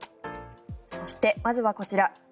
そして、まずはこちら。